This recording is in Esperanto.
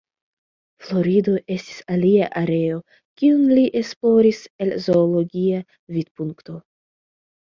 Florido estis alia areo kiun li esploris el zoologia vidpunkto.